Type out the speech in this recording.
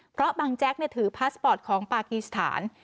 เพราะบางแจ๊กถือพาสปอร์ตของปากีสถาน